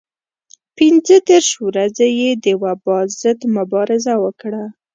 پنځه دېرش ورځې یې د وبا ضد مبارزه وکړه.